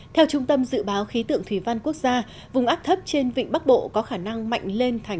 theo trung tâm dự báo khí tượng thủy văn quốc gia vùng áp thấp trên vịnh bắc bộ có khả năng mạnh lên thành